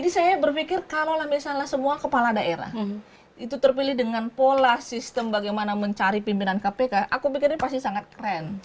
saya berpikir kalau misalnya semua kepala daerah itu terpilih dengan pola sistem bagaimana mencari pimpinan kpk aku pikir ini pasti sangat keren